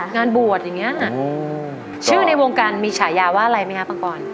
งานบวชอย่างนี้นะชื่อในวงการมีฉายาว่าอะไรไหมคะปังปอน